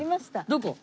どこ？